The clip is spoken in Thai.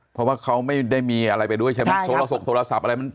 เพราะว่าเขาไม่ได้มีอะไรไปด้วยใช่ไหมโทรศกโทรศัพท์อะไรมัน